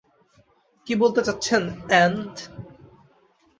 কী বলতে চাচ্ছেন, অ্যান্ট?